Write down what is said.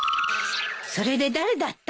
それで誰だった？